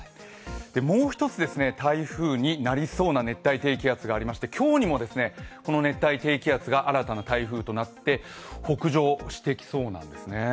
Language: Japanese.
もう１つ、台風になりそうな熱帯低気圧がありまして今日にもこの熱帯低気圧が新たな台風となって北上してきそうなんですね。